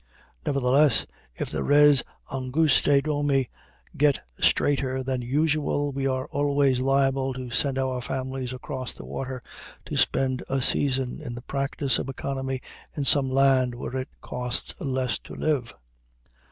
Nevertheless, if the res angustæ domi get straiter than usual, we are always liable to send our families across the water to spend a season in the practice of economy in some land where it costs less to live.